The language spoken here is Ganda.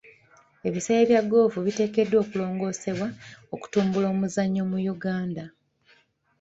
Ebisaawe bya ggoofu biteekeddwa okulongoosebwa okutumbula omuzannyo mu Uganda.